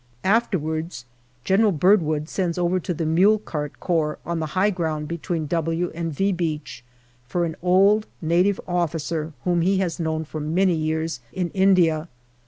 Afterwards General Birdwood sends over to the Mule cart Corps on the high ground between " W" and " V " Beach for an old Native officer whom he has known for many years in India.